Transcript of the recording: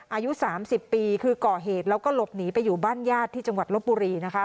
อายุ๓๐ปีคือก่อเหตุแล้วก็หลบหนีไปอยู่บ้านญาติที่จังหวัดลบบุรีนะคะ